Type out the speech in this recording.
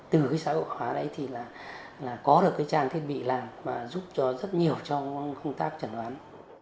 từ cái xã hội hóa đấy thì là có được cái trang thiết bị làm mà giúp cho rất nhiều trong công tác chẩn đoán